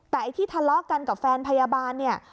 แต่ไอ้ที่ทะเลาะกันกับแฟนพยาบาลเนี่ย